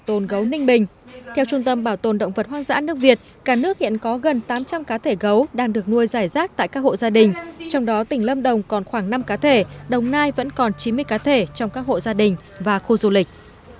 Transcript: theo trung tâm bảo tồn động vật hoang dã nước việt cả nước hiện có gần tám trăm linh cá thể gấu đang được nuôi giải rác tại các hộ gia đình trong đó tỉnh lâm đồng còn khoảng năm cá thể đồng nai vẫn còn chín mươi cá thể trong các hộ gia đình và khu du lịch